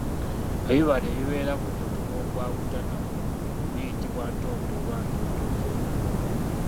"Ebibala ebibeera ku mutuba ogwa butana, biyitibwa ntonto oba ntontogolo."